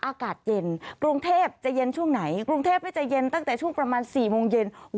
อากาศเย็นกรุงเทพจะเย็นช่วงไหนกรุงเทพก็จะเย็นตั้งแต่ช่วงประมาณ๔โมงเย็น